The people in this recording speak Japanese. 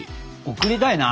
贈りたいな。